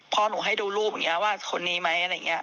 พ่อหนูให้ดูรูปอย่างนี้ว่าคนนี้ไหมอะไรอย่างนี้